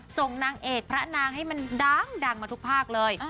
นางเอกพระนางให้มันดังมาทุกภาคเลย